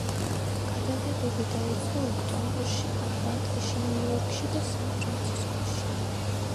გადაღებები დაიწყო ოქტომბერში, ატლანტაში, ნიუ-იორკში და სან-ფრანცისკოში.